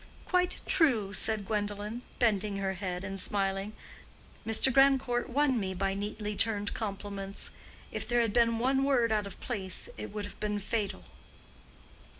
"Quite true," said Gwendolen, bending her head and smiling. "Mr. Grandcourt won me by neatly turned compliments. If there had been one word out of place it would have been fatal."